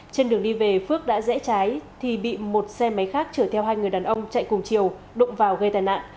trên đường đi về phước đã rẽ trái thì bị một xe máy khác chở theo hai người đàn ông chạy cùng chiều đụng vào gây tai nạn